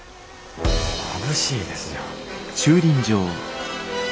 まぶしいですよ。